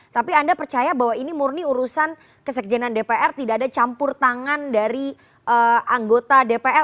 tapi anda percaya bahwa ini murni urusan kesekjenan dpr tidak ada campur tangan dari anggota dpr